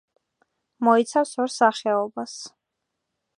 მოიცავს ორ სახეობას.